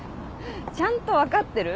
ちゃんと分かってる？